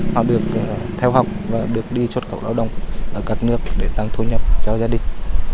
họ được theo học và được đi xuất khẩu lao động ở các nước để tăng thu nhập cho gia đình